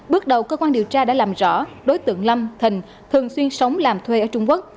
bước đầu cơ quan điều tra đã làm rõ đối tượng lâm thình thường xuyên sống làm thuê ở trung quốc